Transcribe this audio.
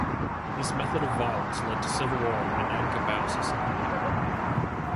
This method of violence led to civil war in Minangkabau society.